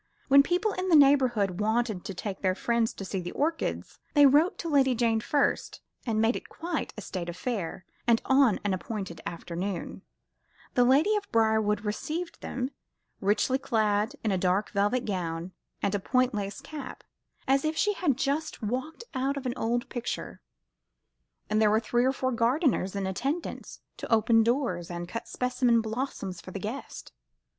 When people in the neighbourhood wanted to take their friends to see the orchids, they wrote to Lady Jane first, and made it quite a state affair; and on an appointed afternoon, the lady of Briarwood received them, richly clad in a dark velvet gown and a point lace cap, as if she had just walked out of an old picture, and there were three or four gardeners in attendance to open doors, and cut specimen blossoms for the guests.